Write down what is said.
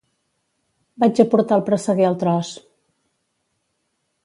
Vaig a portar el presseguer al tros